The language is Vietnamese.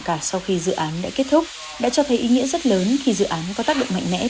cả sau khi dự án đã kết thúc đã cho thấy ý nghĩa rất lớn khi dự án có tác động mạnh mẽ